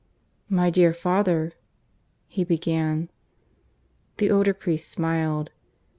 "My dear father " he began. The older priest smiled.